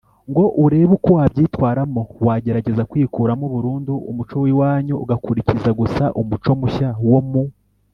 ngo urebe uko wabyitwaramo wagerageza kwikuramo burundu umuco w iwanyu ugakurikiza gusa umuco mushya wo mu